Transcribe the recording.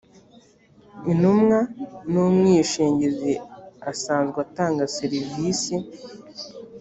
intumwa n’umwishingizi asanzwe atanga serivise